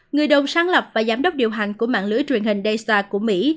người đồng sáng lập và giám đốc điều hành của mạng lưới truyền hình daystar của mỹ